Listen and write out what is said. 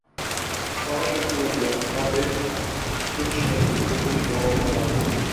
پرانا شوق پورا کیا ، کتاب دیکھ ، کچھ نئی ، کچھ و پرانی